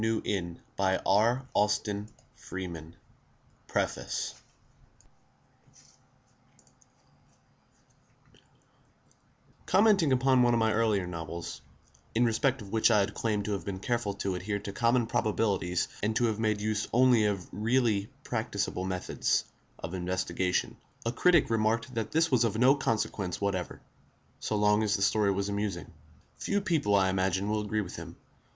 TO MY FRIEND BERNARD E. BISHOP Preface Commenting upon one of my earlier novels, in respect of which I had claimed to have been careful to adhere to common probabilities and to have made use only of really practicable methods of investigation, a critic remarked that this was of no consequence whatever, so long as the story was amusing. Few people, I imagine, will agree with him.